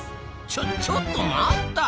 ちょちょっと待った！